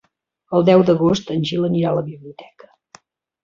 El deu d'agost en Gil anirà a la biblioteca.